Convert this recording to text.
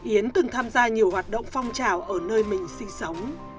yến từng tham gia nhiều hoạt động phong trào ở nơi mình sinh sống